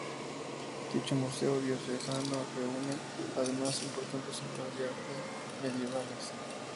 Dicho Museo Diocesano reúne, además, importantes obras de arte medievales.